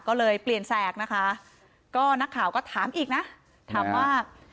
ก็เลยเปลี่ยนแสกนะคะก็นักข่าวก็ถามอีกนะถามว่า